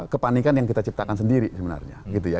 kepanikan yang kita ciptakan sendiri sebenarnya gitu ya